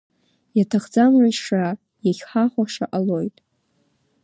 Иаҭахӡам рышьра, иахьҳахәаша ҟалоит.